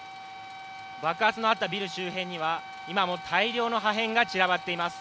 爆発のあったビル周辺には今も大量の破片が散らばっています。